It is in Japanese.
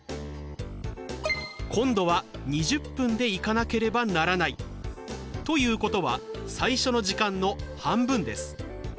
今度は２０分で行かなければならないということは最初の時間の半分です。